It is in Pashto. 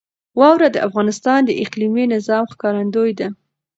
واوره د افغانستان د اقلیمي نظام ښکارندوی ده.